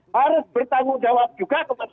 harus bertanggung jawab juga kepada